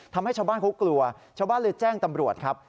ทำให้ชาวบ้านเขากลัวชาวบ้านเลยแจ้งตำรวจครับ